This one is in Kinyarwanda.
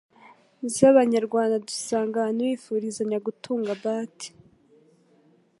z'Abanyarwanda dusanga abantu bifurizanya gutunga bati